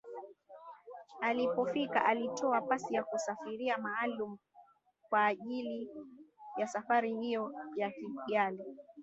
Alipofika alitoa pasi ya kusafiria maalumu kwaajili ya safari hiyo ya Kigali